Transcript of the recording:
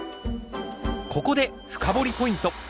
ここで深掘りポイント！